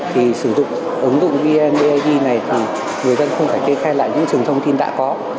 thì sử dụng ứng dụng vneid này thì người dân không phải kê khai lại những trường thông tin đã có